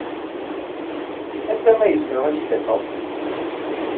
Anda ay zemreɣ ad tt-id-afeɣ?